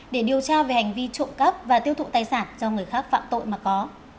để điều tra về hành vi trộm cắp và tiêu thụ tài sản do người khác phạm tội mà có